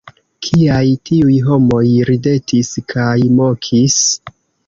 Kial tiuj homoj ridetis kaj mokis?